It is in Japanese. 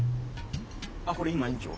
あっこれ今園長。